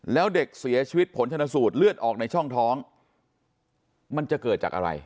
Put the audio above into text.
แล้วเด็กเสียชีวิตผลชนสูตรเลือดออกในช่องท้องมันจะเกิดจากอะไร